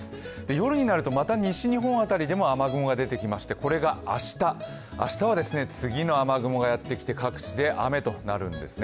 夜になるとまた西日本辺りでも雨雲が出てきてこれが明日、明日は次の雨雲がやってきて、各地で雨となるんですね。